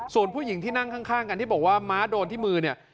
ส่วนผู้หญิงที่นั่งข้างกันที่บอกว่าม้าโดนที่มือเนี่ย